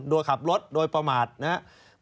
โดยขับรถโดยประมาทนะครับ